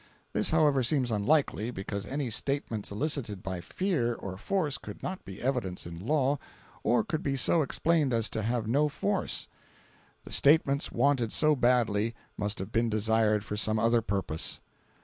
This, however, seems unlikely, because any statements elicited by fear or force could not be evidence in law or could be so explained as to have no force. The statements wanted so badly must have been desired for some other purpose.